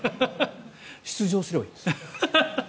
出場すればいいんです。